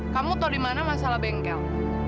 kamu tahu di mana masalah bengkel